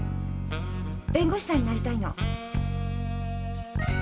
弁護士さんになりたいの。